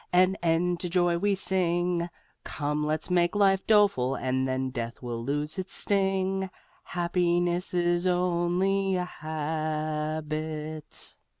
An end to joy we sing: Come let's make life doleful and then death will lose its sting, Happiness is only a habit!